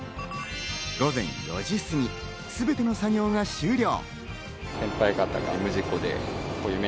午前４時過ぎ、すべての作業が終了。